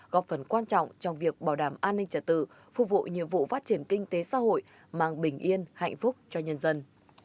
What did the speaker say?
góp phần quan trọng trong việc bảo đảm an ninh trả tự phục vụ nhiệm vụ phát triển kinh tế xã hội mang bình yên hạnh phúc cho nhân dân